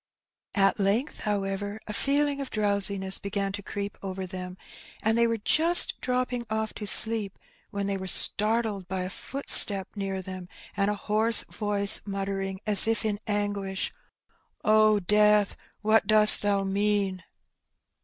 At length, however, a feeling of drowsiness began to creep over them, and they were just dropping off to sleep when they were startled by a footstep near them, and a hoarse voice muttering, as if in anguish, '^O Death, what dost thou mean?